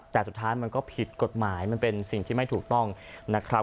แต่สุดท้ายมันก็ผิดกฎหมายมันเป็นสิ่งที่ไม่ถูกต้องนะครับ